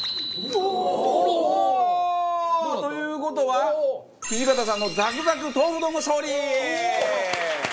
うわー！という事は土方さんのザクザク豆腐丼の勝利！